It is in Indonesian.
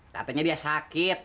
katanya dia sakit